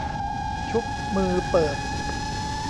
ชุบมือเปิบ